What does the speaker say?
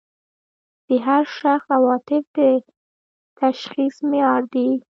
د هر شخص عواطف د تشخیص معیار دي.